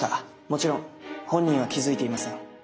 もちろん本人は気付いていません。